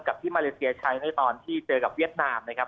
ที่มาเลเซียใช้ในตอนที่เจอกับเวียดนามนะครับ